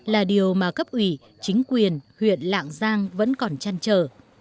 là điều mà cấp ủy chính quyền huyện lạng giang vẫn còn chăn trở